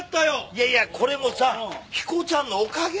いやいやこれもさ彦ちゃんのおかげだよ。